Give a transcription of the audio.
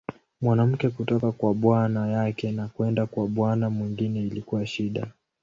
Mwanamke kutoka kwa bwana yake na kwenda kwa bwana mwingine ilikuwa shida.